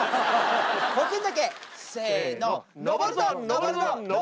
せの。